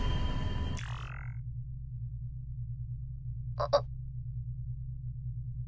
あっ。